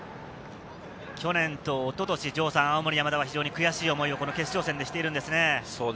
去年と一昨年、青森山田は非常に悔しい思いを決勝戦でしているんですね。